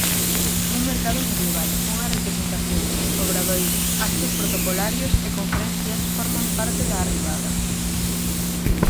Un mercado medieval, unha representación, obradoiros, actos protocolarios e conferencias forman parte da Arribada.